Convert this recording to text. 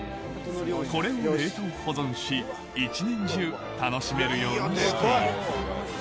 これを冷凍保存し、１年中楽しめるようにしている。